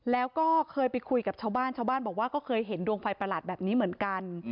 แล้วก็เคยไปคุยกับชาวบ้านชาวบ้านบอกว่าก็เคยเห็นดวงไฟประหลาดแบบนี้เหมือนกัน